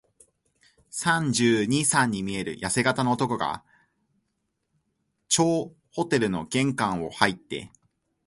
三十二、三に見えるやせ型の男が、張ホテルの玄関をはいって、